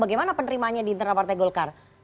bagaimana penerimaannya di internal partai golkar